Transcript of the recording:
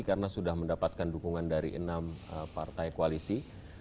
karena sudah mendapatkan dukungan dari enam partai koalisi